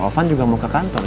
sofan juga mau ke kantor